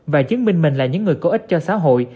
và chứng minh mình là những người có ích cho xã hội